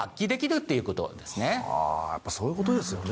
やっぱりそういう事ですよね。